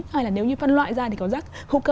hay là nếu như phân loại ra thì có rác hữu cơ